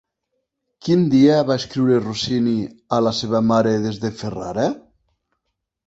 Quin dia va escriure Rossini a la seva mare des de Ferrara?